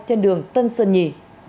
trên đường tân sơn nhì